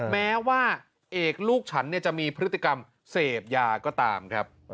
แม้ว่าเอกลูกฉันจะมีพฤติกรรมเสพยาก็ตามครับ